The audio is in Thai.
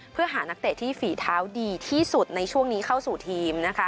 เพื่อหานักเตะที่ฝีเท้าดีที่สุดในช่วงนี้เข้าสู่ทีมนะคะ